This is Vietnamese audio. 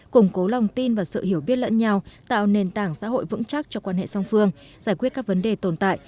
củng cố lòng tin và sự hiểu biết lẫn nhau tạo nền tảng xã hội vững chắc cho quan hệ song phương giải quyết các vấn đề tồn tại